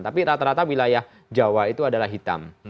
tapi rata rata wilayah jawa itu adalah hitam